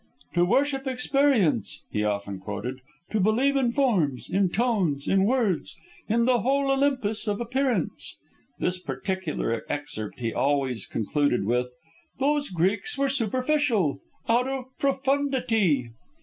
"'To worship appearance,'" he often quoted; "'to believe in forms, in tones, in words, in the whole Olympus of appearance!'" This particular excerpt he always concluded with, "'Those Greeks were superficial OUT OF PROFUNDITY!'"